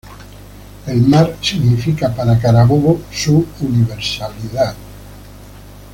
El mar significa para Carabobo su universalidad.